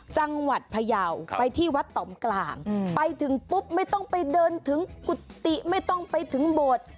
จังหวัดพยาวไปที่วัดต่อมกลางไปถึงปุ๊บไม่ต้องไปเดินถึงกุฏิไม่ต้องไปถึงโบสถ์